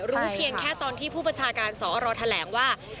รู้เพียงแค่ตอนที่ผู้ประชาการสอร์รอแถลงว่า